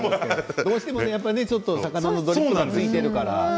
どうしても魚のドリップがついているから。